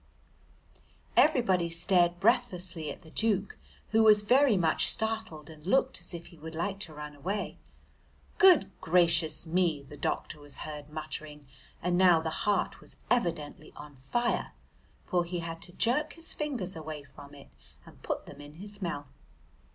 Everybody stared breathlessly at the Duke, who was very much startled and looked as if he would like to run away. "Good gracious me!" the doctor was heard muttering, and now the heart was evidently on fire, for he had to jerk his fingers away from it and put them in his mouth.